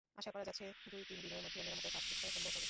আশা করা যাচ্ছে দুই-তিন দিনের মধ্যে মেরামতের কাজ শেষ করা সম্ভব হবে।